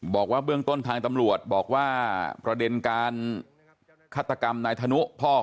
บอกว่าเบื้องต้นทางตำรวจบอกว่าประเด็นการฆัตกรรมในธนุษย์พ่อของเขาเนี่ย